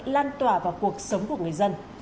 lan tỏa vào cuộc sống của người dân